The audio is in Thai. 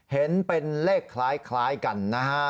เห็นเป็นเลขคล้ายกันนะฮะ